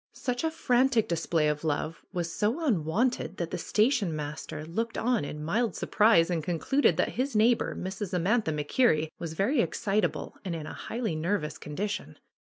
Such a frantic display of love was so unwonted that the station master looked on in mild surprise and concluded that his neighbor, Mrs. Amantha MacKerrie, was very excitable and in a highly nervous condition.